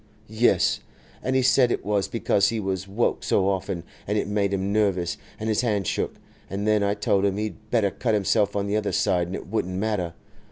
'Yes. And he said it was because he was woke so often, and it made him nervous, and his hand shook. And then I told him he'd better cut himself on the other side, and it wouldn't matter.